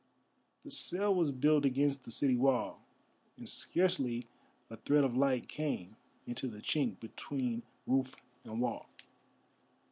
The cell was built against the city wall, and scarcely a thread of light came into the chink between roof and wall.